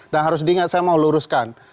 nah harus diingat saya mau luruskan